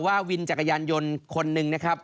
วินจักรยานยนต์คนหนึ่งนะครับ